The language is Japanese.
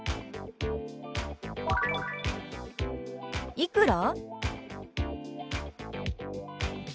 「いくら？」。